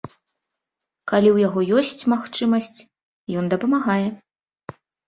Калі ў яго ёсць магчымасць, ён дапамагае.